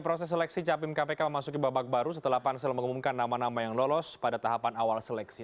proses seleksi capim kpk memasuki babak baru setelah pansel mengumumkan nama nama yang lolos pada tahapan awal seleksi